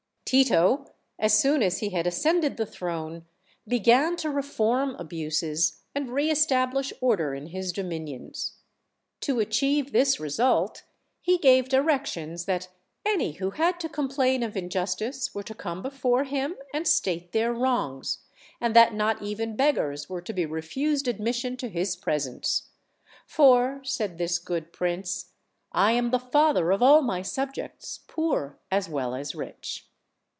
Tito, as soon as he had ascended the throne, began to reform abuses, and re establish order in his dominions. To achieve this result, he gave directions that any whc had to complain of injustice were to come before him and state their wrongs, and that not even beggars were to be refused admission to his presence. "For," said this good prince, "I am the father of all my subjects, poor as well as rich."